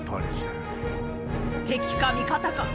敵か味方か